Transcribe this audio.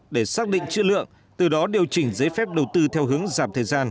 để xác định chữ lượng từ đó điều chỉnh giấy phép đầu tư theo hướng giảm thời gian